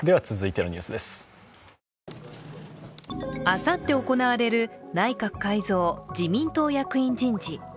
あさって行われる内閣改造・自民党役員人事。